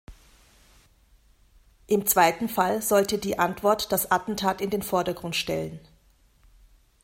Im zweiten Fall sollte die Antwort das Attentat in den Vordergrund stellen.